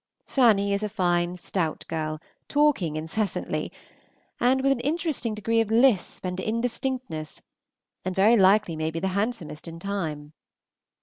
Fanny is a fine stout girl, talking incessantly, with an interesting degree of lisp and indistinctness, and very likely may be the handsomest in time.